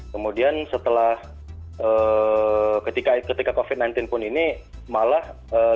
kemudian setelah ketika covid sembilan belas pun ini malah